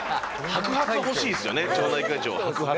白髪欲しいですね。